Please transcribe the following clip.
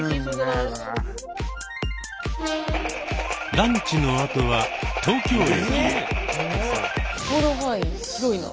ランチの後は東京駅へ。